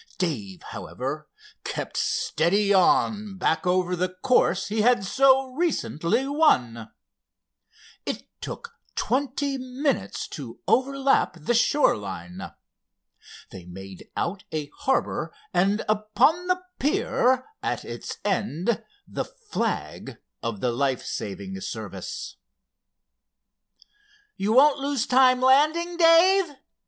Dave, however, kept steadily on back over the course he had so recently won. It took twenty minutes to overlap the shore line. They made out a harbor and upon the pier at its end the flag of the life saving service. "You won't lose time landing, Dave?"